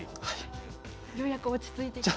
ようやく落ち着いてきた。